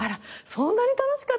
そんなに楽しかったの？